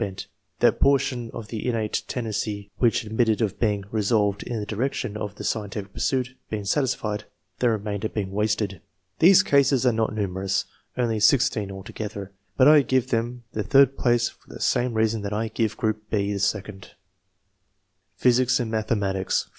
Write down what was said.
bent; that portion of the innate tendency which admitted of being leaolTed in the direc tion " of the scientific puisuit, bdng satisfied, the remainder being wasted. These cases are not numerous — only 16 altogether — ^but I give them the third place for the same reason that I gave group (b) the second. Physics and McUhematics.